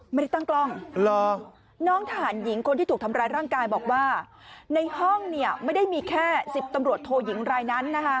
ไม่ได้ตั้งกล้องน้องทหารหญิงคนที่ถูกทำร้ายร่างกายบอกว่าในห้องเนี่ยไม่ได้มีแค่๑๐ตำรวจโทยิงรายนั้นนะคะ